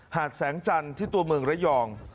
หาดแสงจันทร์ที่ตัวเมืองระยอง